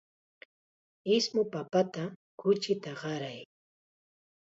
Ismu papata kuchita qaray.